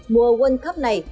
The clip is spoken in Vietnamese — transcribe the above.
mùa world cup này